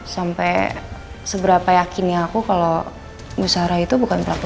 sampai seberapa yakinnya aku kalau bu sarah itu bukan pelakon